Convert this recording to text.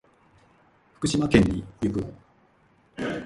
福島県に行く。